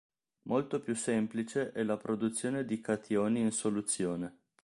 Molto più semplice è la produzione di cationi in soluzione.